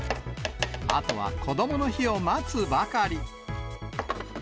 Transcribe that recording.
あとはこどもの日を待つばかり。